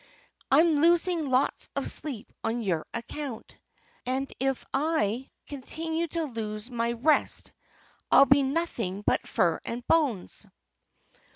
I'm losing lots of sleep on your account. And if I continue to lose my rest I'll be nothing but fur and bones."